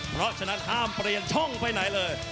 เพราะฉะนั้นห้ามเปลี่ยนช่องไปไหนเลย